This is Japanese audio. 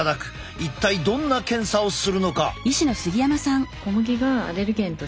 一体どんな検査をするのか？